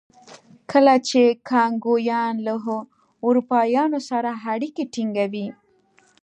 کله چې کانګویان له اروپایانو سره اړیکې ټینګوي.